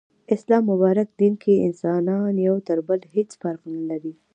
اسلام مبارک دين کي انسانان يو تر بله هيڅ فرق نلري